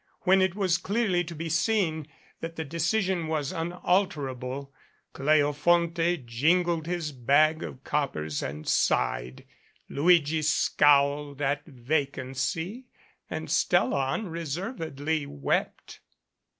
When it was clearly to be seen that the decision was unalterable, Cleofonte jingled his bag of THE EMPTY HOUSE coppers and sighed, Luigi scowled at vacancy and Stella unreservedly wept.